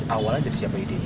awalnya dari siapa idenya